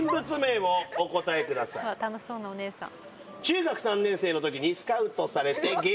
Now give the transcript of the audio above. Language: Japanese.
楽しそうなお姉さん。